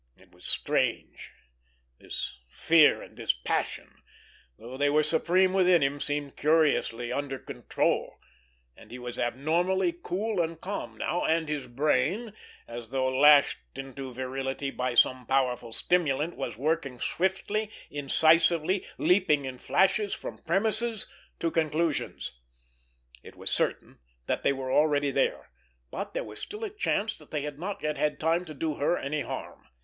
It was strange! This fear and this passion, though they were supreme within him, seemed curiously under control, and he was abnormally cool and calm now, and his brain, as though lashed into virility by some powerful stimulant, was working swiftly, incisively, leaping in flashes from premises to conclusions. It was certain that they were already there, but there was still a chance that they had not yet had time to do her any harm.